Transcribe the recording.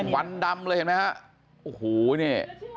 วันดำเลยนะฮะ